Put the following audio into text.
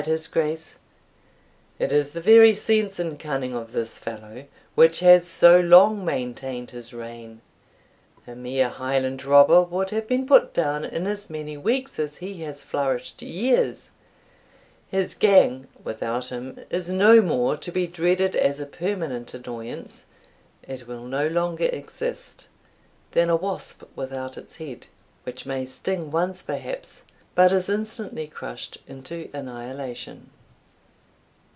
"Pooh! pooh!" replied his Grace, "it is the very sense and cunning of this fellow which has so long maintained his reign a mere Highland robber would have been put down in as many weeks as he has flourished years. His gang, without him, is no more to be dreaded as a permanent annoyance it will no longer exist than a wasp without its head, which may sting once perhaps, but is instantly crushed into annihilation."